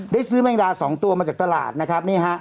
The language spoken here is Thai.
ซื้อแมงดา๒ตัวมาจากตลาดนะครับนี่ฮะ